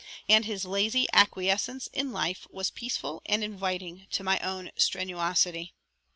And his lazy acquiescence in life was peaceful and inviting to my own strenuosity.